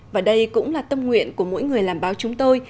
và đây cũng là tâm nguyện của mỗi người làm báo chúng tôi